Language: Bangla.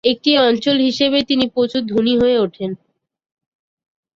একটি অঞ্চল হিসেবে তিনি প্রচুর ধনী হয়ে ওঠেন।